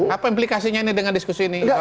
apa implikasinya ini dengan diskusi ini